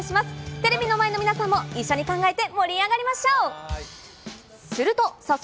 テレビの前の皆さんも一緒に考えて、盛り上がりましょう。